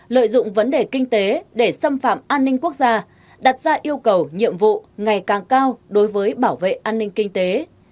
lợi dụng vấn đề kinh tế để xâm phạm an ninh quốc gia đặt ra yêu cầu nhiệm vụ ngày càng cao đối với bảo vệ an ninh kinh tế